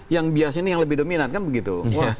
yang biasa ini yang lebih dominan kan begitu